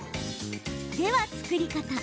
では、作り方。